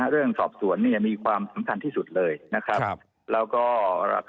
เรื่องสอบสวนมีความจำกันที่สุดเลยนะครับ